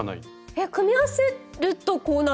えっ組み合わせるとこうなるんですか？